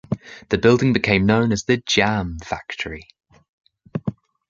The building became known as The Jam Factory.